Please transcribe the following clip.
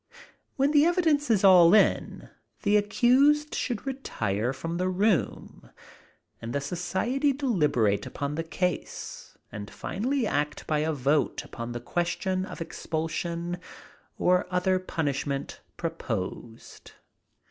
When the evidence is all in, the accused should retire from the room, and the society deliberate upon the question, and finally act by a vote upon the question of expulsion or other punishment proposed.